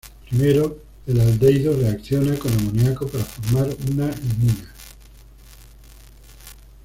Primero, el aldehído reacciona con amoniaco para formar una imina.